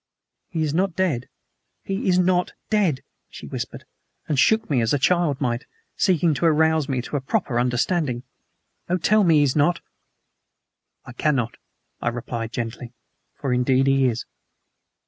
"He is not dead he is NOT dead!" she whispered, and shook me as a child might, seeking to arouse me to a proper understanding. "Oh, tell me he is not " "I cannot," I replied gently, "for indeed he is."